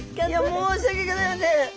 申し訳ギョざいません。